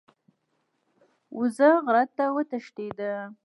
وزې غره ته وتښتیده.